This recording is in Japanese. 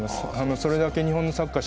それだけ日本のサッカーは